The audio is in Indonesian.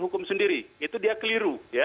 hukum sendiri itu dia keliru